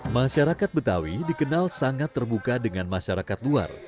masyarakat betawi dikenal sangat terbuka dengan masyarakat luar